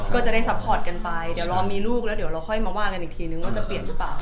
ก็จะได้ซัพพอร์ตกันไปเดี๋ยวรอมีลูกแล้วเดี๋ยวเราค่อยมาว่ากันอีกทีนึงว่าจะเปลี่ยนหรือเปล่า